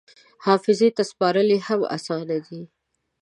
حافظې ته سپارل یې هم اسانه دي.